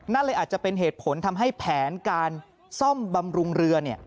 นั่นเลยอาจจะเป็นเหตุผลทำให้แผนการซ่อมบำรุงเรือ